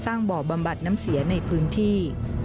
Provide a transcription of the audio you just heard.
บ่อบำบัดน้ำเสียในพื้นที่